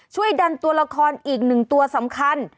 ช่วยดันตัวละครอีกหนึ่งตัวสำคัญ